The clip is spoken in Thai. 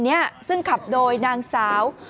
ที่คือขับโดยนางสาว